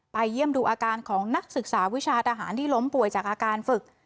เยี่ยมดูอาการของนักศึกษาวิชาทหารที่ล้มป่วยจากอาการฝึก